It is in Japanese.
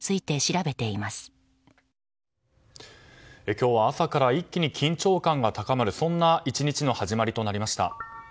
今日は朝から一気に緊張感が高まるそんな１日の始まりとなりました。